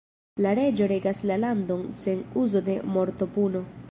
La reĝo regas la landon sen uzo de mortopuno.